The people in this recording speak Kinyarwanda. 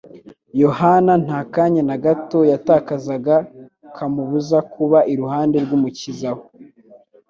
Yohana nta kanya na gato yatakazaga kamubuza kuba iruhande rw'Umukiza we,